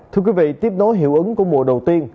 thưa quý vị tiếp nối hiệu ứng của mùa đầu tiên